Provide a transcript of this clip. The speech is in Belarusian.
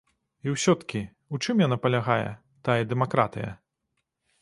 І ўсё-ткі, у чым яна палягае, тая дэмакратыя?